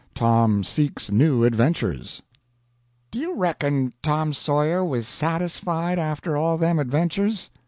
TOM SEEKS NEW ADVENTURES Do you reckon Tom Sawyer was satisfied after all them adventures?